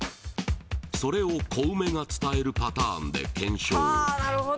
それをコウメが伝えるパターンで検証